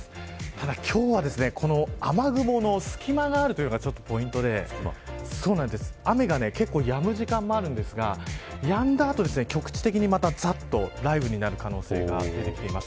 ただ今日はこの雨雲の隙間があるというのがポイントで雨が結構やむ時間もあるんですがやんだ後、局地的にまたざっと雷雨になる可能性が出てきています。